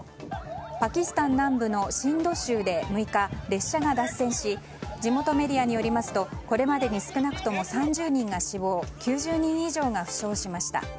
パキスタン南部のシンド州で６日列車が脱線し地元メディアによりますとこれまでに少なくとも３０人が死亡９０人以上が負傷しました。